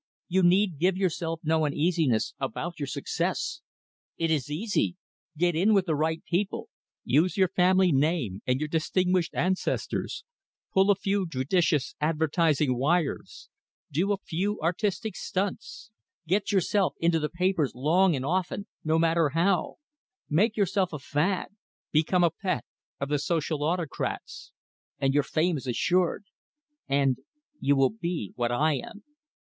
You need give yourself no uneasiness about your success. It is easy. Get in with the right people; use your family name and your distinguished ancestors; pull a few judicious advertising wires; do a few artistic stunts; get yourself into the papers long and often, no matter how; make yourself a fad; become a pet of the social autocrats and your fame is assured. And you will be what I am."